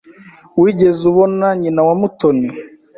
Wigeze ubona nyina wa Mutoni?